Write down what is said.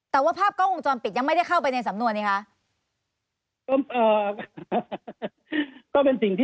แต่ว่าภาพกล้องวงจรปิดยังไม่ได้เข้าไปในสำนวนไงคะ